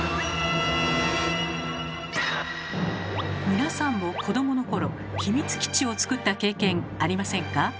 皆さんも子どもの頃秘密基地を作った経験ありませんか？